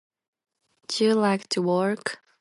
She liked to work.